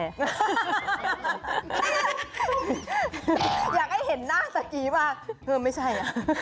อยากให้เห็นหน้าสักกีมากไม่ใช่